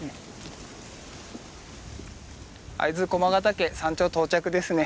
会津駒ヶ岳山頂到着ですね。